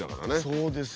そうですね。